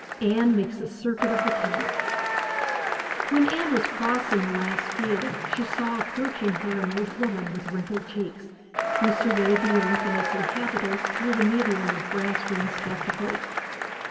ANNE MAKES A CIRCUIT OF THE CAMP When Anne was crossing the last field, she saw approaching her an old woman with wrinkled cheeks, who surveyed the earth and its inhabitants through the medium of brass rimmed spectacles.